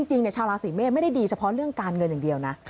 ชาวราศีเมษไม่ได้ดีเฉพาะเรื่องการเงินอย่างเดียวนะ